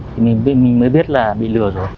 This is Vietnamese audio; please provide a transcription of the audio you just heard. thì mình mới biết là bị lừa rồi